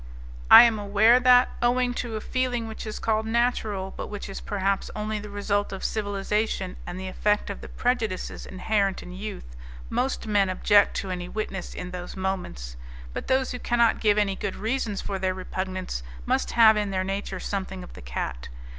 I am aware that, owing to a feeling which is called natural, but which is perhaps only the result of civilization and the effect of the prejudices inherent in youth, most men object to any witness in those moments, but those who cannot give any good reasons for their repugnance must have in their nature something of the cat.